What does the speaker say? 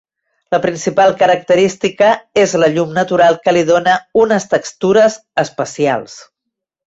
La principal característica és la llum natural que li dóna unes textures especials.